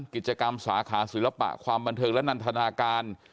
กิจกรรมสาขาศิลปะความบันเทิงและนันทนาการ